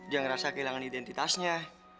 dia ngerasa kehilangan identitasnya